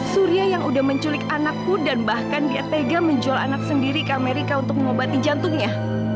surya yang udah menculik anakku dan bahkan dia tega menjual anak sendiri ke amerika untuk mengobati jantungnya